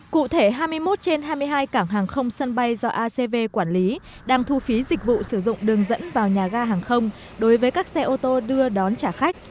cụ thể hai mươi một trên hai mươi hai cảng hàng không sân bay do acv quản lý đang thu phí dịch vụ sử dụng đường dẫn vào nhà ga hàng không đối với các xe ô tô đưa đón trả khách